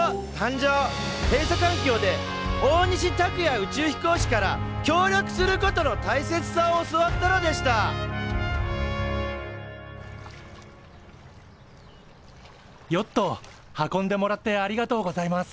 へいさかんきょうで大西卓哉宇宙飛行士から協力することの大切さを教わったのでしたヨット運んでもらってありがとうございます。